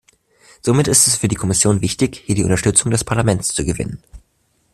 Somit ist es für die Kommission wichtig, hier die Unterstützung des Parlaments zu gewinnen.